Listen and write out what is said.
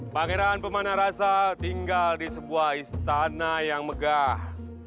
pangeran pemandang rasa tinggal di sebuah istana yang megah